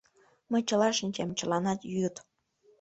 Мый чыла шинчем, чыланат йӱыт...